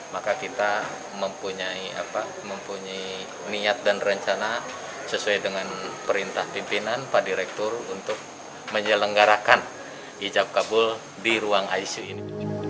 maka kita mempunyai niat dan rencana sesuai dengan perintah pimpinan pak direktur untuk menyelenggarakan hijab kabul di ruang icu ini